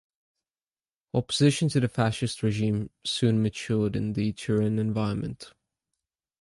Opposition to the fascist regime soon matured in the Turin environment.